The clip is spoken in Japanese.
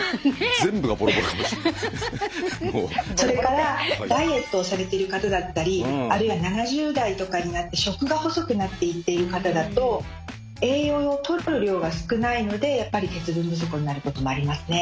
それからダイエットをされてる方だったりあるいは７０代とかになって食が細くなっていっている方だと栄養をとる量が少ないのでやっぱり鉄分不足になる時もありますね。